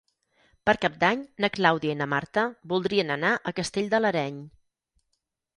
Per Cap d'Any na Clàudia i na Marta voldrien anar a Castell de l'Areny.